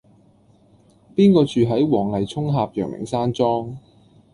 邊個住喺黃泥涌峽陽明山莊